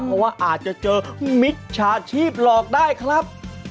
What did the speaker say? เพราะว่าอาจจะเจอมิจฉาชีพหลอกได้ครับ